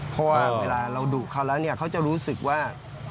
เพราะว่าเวลาเราดุเขาแล้วเนี่ยเขาจะรู้สึกว่า